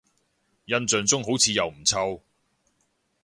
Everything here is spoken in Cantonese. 印象中好似又唔臭